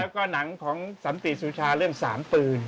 แล้วก็หนังของสันติสุชาเรื่อง๓ปืน